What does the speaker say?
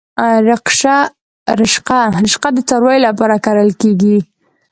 رشقه د څارویو لپاره کرل کیږي